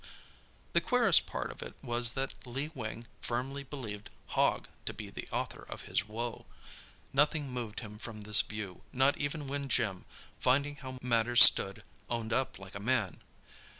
The queerest part of it was that Lee Wing firmly believed Hogg to be the author of his woe. Nothing moved him from this view, not even when Jim, finding how matters stood, owned up like a man.